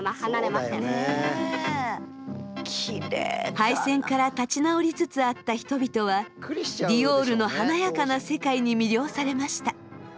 敗戦から立ち直りつつあった人々はディオールの華やかな世界に魅了されました。